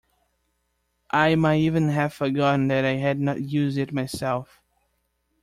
I might even have forgotten that I had not used it myself.